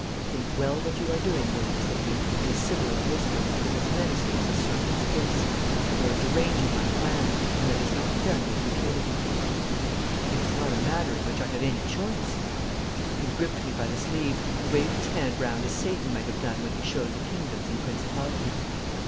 'Think well what you are doing, Louis,' said he, in a sibilant whisper which was as menacing as a serpent's hiss. 'You are deranging my plans, and that is not done with impunity.' 'It is not a matter in which I have any choice.' He gripped me by the sleeve, and waved his hand round as Satan may have done when he showed the kingdoms and principalities.